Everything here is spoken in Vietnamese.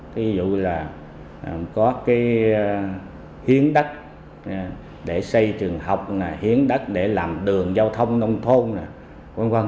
ví dụ là có hiến đất để xây trường học hiến đất để làm đường giao thông nông thôn